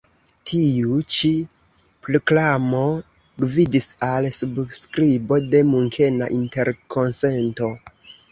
Tiu ĉi prklamo gvidis al subskribo de Munkena interkonsento.